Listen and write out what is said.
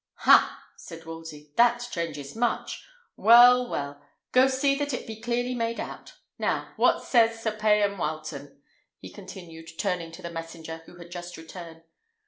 "Ha!" said Wolsey, "that changes much. Well, well! go see that it be clearly made out. Now, what says Sir Payan Wileton?" he continued, turning to the messenger, who had just returned.